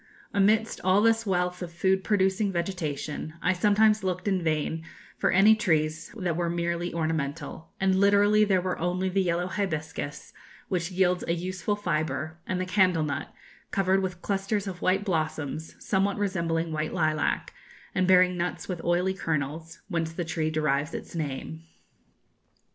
Amidst all this wealth of food producing vegetation, I sometimes looked in vain for any trees that were merely ornamental; and literally there were only the yellow hibiscus, which yields a useful fibre, and the candle nut, covered with clusters of white blossoms, somewhat resembling white lilac, and bearing nuts with oily kernels, whence the tree derives its name."